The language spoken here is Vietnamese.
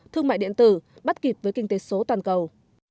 thương mại điện tử bắt kịp với kinh tế số toàn cầu